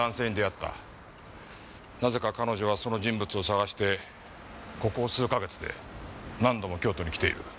なぜか彼女はその人物を捜してここ数か月で何度も京都に来ている。